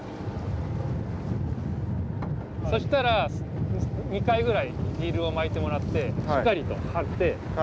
そしたら２回ぐらいリールを巻いてもらってしっかりと張ってアタリを待ちます